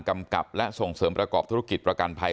กำกับและส่งเสริมประกอบธุรกิจประกันภัย